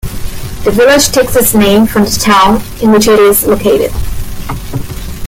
The village takes its name from the town in which it is located.